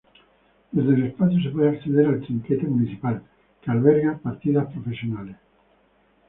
Desde el espacio se puede acceder al trinquete municipal, que alberga partidas profesionales.